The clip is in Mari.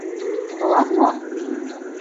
— Толат мо?